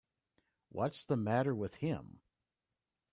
What's the matter with him.